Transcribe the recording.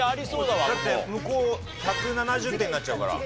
だって向こう１７０点になっちゃうから。